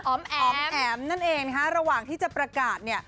แอ๋มแอ๋มนั่นเองนะคะระหว่างที่จะประกาศเนี่ย